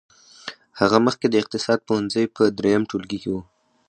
هغه مخکې د اقتصاد پوهنځي په دريم ټولګي کې وه.